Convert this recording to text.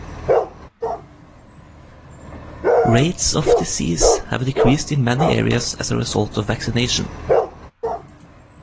Rates of disease have decreased in many areas as a result of vaccination.